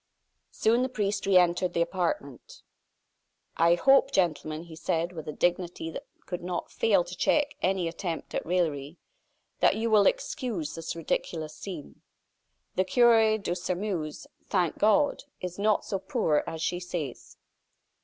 Soon the priest re entered the apartment. "I hope, gentlemen," he said, with a dignity that could not fail to check any attempt at raillery, "that you will excuse this ridiculous scene. The cure of Sairmeuse, thank God! is not so poor as she says."